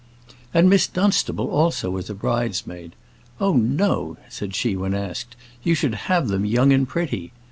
And Miss Dunstable, also, was a bridesmaid. "Oh, no" said she, when asked; "you should have them young and pretty."